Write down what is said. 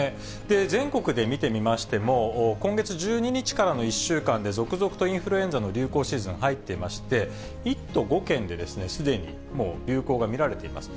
全国で見てみましても、今月１２日からの１週間で、続々とインフルエンザの流行シーズンに入っていまして、１都５県で、すでにもう流行が見られています。